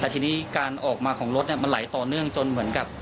แต่ทีนี้การออกมาของรถมันไหลต่อเนื่องจนเหมือนกับ